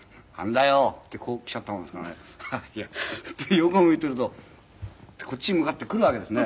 「いや」って横を向いているとこっちに向かって来るわけですね。